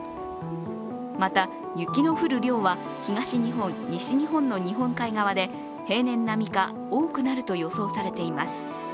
また、雪の降る量は東日本、西日本の日本海側で平年並みか多くなると予想されています。